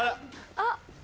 あっ。